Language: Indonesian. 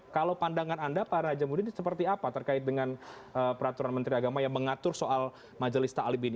kalau pandangan anda pak najamuddin ini seperti apa terkait dengan peraturan menteri agama yang mengatur soal majelis taklim ini